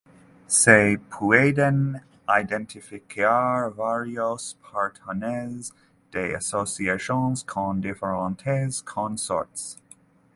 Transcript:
Se pueden identificar varios patrones de asociaciones con diferentes consortes.